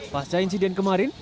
pasca insiden kemarin